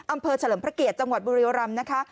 อำเภอเฉลิมพระเกียร์จังหวัดบริโรรัมนะคะ